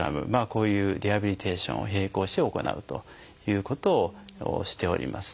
こういうリハビリテーションを並行して行うということをしております。